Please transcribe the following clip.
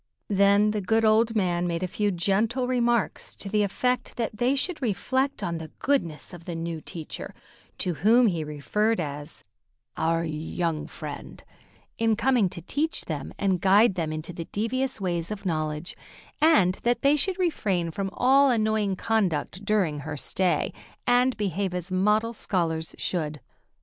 Then the good old man made a few gentle remarks to the effect that they should reflect on the goodness of the new teacher, to whom he referred as "our young friend," in coming to teach them and guide them into the devious ways of knowledge, and that they should refrain from all annoying conduct during her stay, and behave as model scholars should.